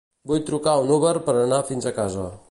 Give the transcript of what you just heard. Vull trucar un Uber per anar fins a casa.